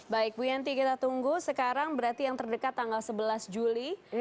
baik bu yanti kita tunggu sekarang berarti yang terdekat tanggal sebelas juli